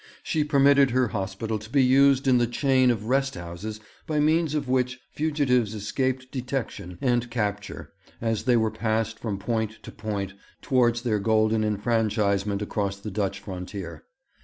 She permitted her hospital to be used in the chain of rest houses by means of which fugitives escaped detection and capture, as they were passed from point to point towards their golden enfranchisement across the Dutch frontier.